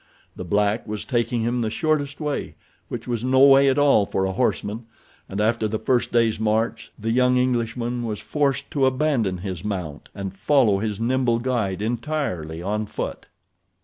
The black was taking him the shortest way, which was no way at all for a horseman, and after the first day's march the young Englishman was forced to abandon his mount, and follow his nimble guide entirely on foot.